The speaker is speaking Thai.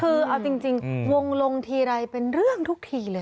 คือเอาจริงวงลงทีไรเป็นเรื่องทุกทีเลย